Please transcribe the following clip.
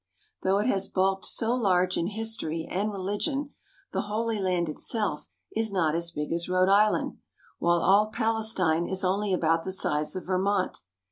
Though it has bulked so large in history and religion, the Holy Land itself is not as big as Rhode Island, while all Palestine is only about the size of Vermont.